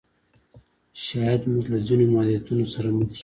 شاید موږ له ځینو محدودیتونو سره مخ شو.